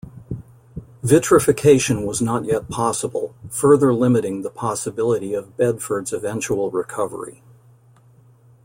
Vitrification was not yet possible, further limiting the possibility of Bedford's eventual recovery.